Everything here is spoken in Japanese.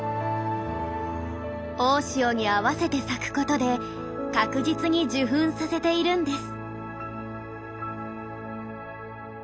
大潮に合わせて咲くことで確実に受粉させているんです。